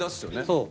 そう。